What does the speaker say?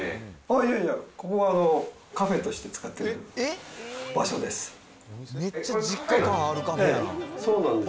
いやいや、ここがカフェとして使ってる場所です。